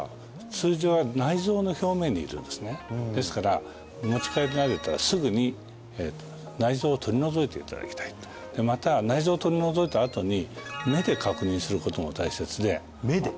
先生そうですねですから持ち帰られたらすぐに内臓を取り除いていただきたいとでまた内臓を取り除いたあとに目で確認することが大切で目で？